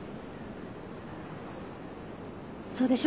そうでしょ？